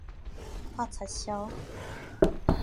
拍擦銷